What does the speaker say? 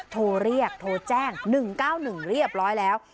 โทรเรียกโทรแจ้ง๑๙๑เรียบร้อยแล้ว